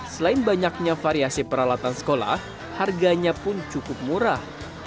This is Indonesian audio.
selain banyaknya variasi peralatan sekolah harganya pun cukup murah